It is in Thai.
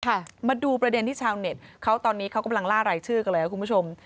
มาดูประเด็นที่ชาวเน็ตเขาตอนนี้เขากำลังล่ารายชื่อกันเลยครับคุณผู้ชม